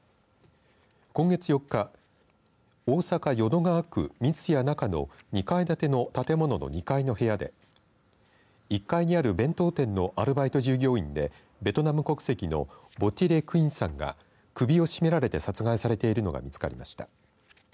今月４日大阪、淀川区三津屋中の２階建ての建物の２階の部屋で１階にある弁当店のアルバイト従業員でベトナム国籍のヴォ・ティ・レ・クインさんが首を絞められて殺害されているのが見つかりました。